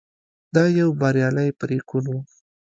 دا یو بریالی پرېکون و.